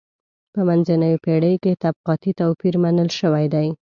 په منځنیو پېړیو کې طبقاتي توپیر منل شوی و.